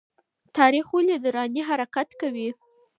تاريخ ولي دوراني حرکت کوي؟